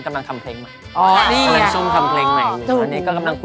ทางนั้นแหรอครับผมทางนี้มีทุเรียนแถบ